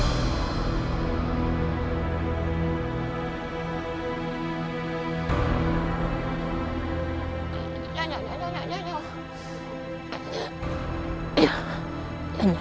aku akan membunuhnya